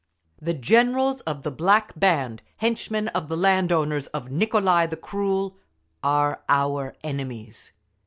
The Generals of the Black Band, henchmen of the land owners, of Nicolai the Cruel, are our enemies.